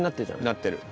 なってる。